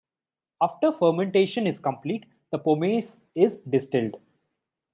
After fermentation is complete, the pomace is distilled.